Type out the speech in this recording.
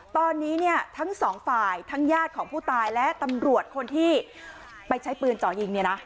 ตอนนี้เนี่ยทั้งสองฝ่ายทั้งญาติของผู้ตายและตำรวจคนที่ไปใช้ปืนเจาะยิงเนี่ยนะ